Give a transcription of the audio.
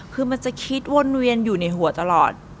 คือมันจะคิดวนเวียนอยู่ในหัวตลอด